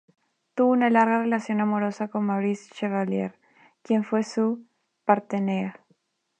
Tuvo una larga relación amorosa con Maurice Chevalier, quien fue su partenaire.